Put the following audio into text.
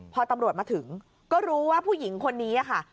พอตำรวจมาถึงก็รู้ว่าผู้หญิงคนนี้ค่ะ